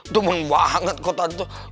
duman banget kok tante